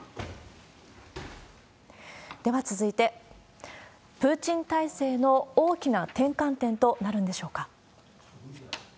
では続いて、プーチン体制の大きな転換点となるんでしょうか。